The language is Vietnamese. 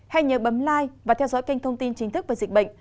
hãy nhớ bấm like và theo dõi kênh thông tin chính thức về dịch bệnh